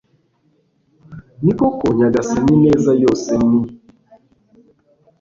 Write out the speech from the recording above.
ni koko nyagasani ineza yose ni